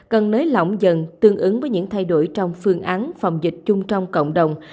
cần nới lỏng dần tương ứng với những thay đổi trong phương án phòng dịch chung trong cộng đồng